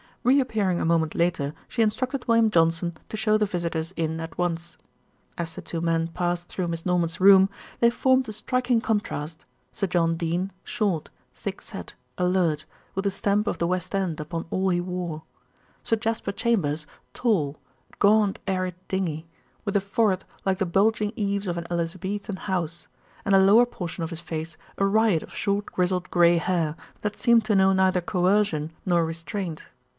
Reappearing a moment later she instructed William Johnson to show the visitors in at once. As the two men passed through Miss Norman's room, they formed a striking contrast, Sir John Dene short, thick set, alert, with the stamp of the West End upon all he wore; Sir Jasper Chambers tall, gaunt arid dingy, with a forehead like the bulging eaves of an Elizabethan house, and the lower portion of his face a riot of short grizzled grey hair that seemed to know neither coercion nor restraint.